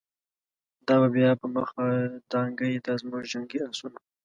دا به بیا په مخه دانګی، دازموږ جنګی آسونه